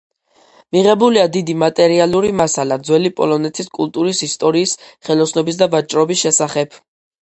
მიღებულია დიდი მატერიალური მასალა ძველი პოლონეთის კულტურის ისტორიის, ხელოსნობის და ვაჭრობის შესახებ.